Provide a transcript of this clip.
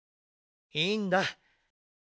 いいんだ。